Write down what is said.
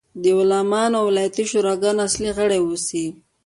د عالمانو د ولایتي شوراګانو اصلي غړي اوسي.